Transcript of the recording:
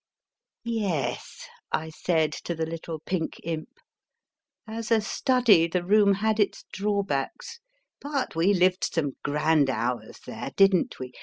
Yes, I said to the little pink imp ; as a study the room had its drawbacks, but we lived some grand hours there, didn t we?